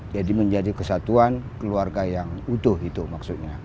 jadi menjadi kesatuan keluarga yang utuh itu maksudnya